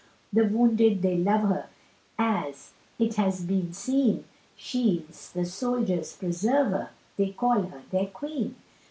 The wounded they love her, as it has been seen; She's the soldier's preserver, they call her their queen!